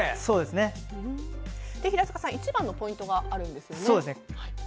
平塚さん、一番のポイントがあるんですよね。